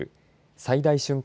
最大瞬間